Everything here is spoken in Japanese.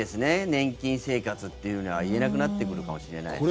年金生活っていうふうには言えなくなってくるかもしれないですね。